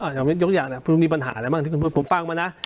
อ่ายกอย่างเนี้ยมีปัญหาอะไรบ้างที่คุณพูดผมฟังมานะ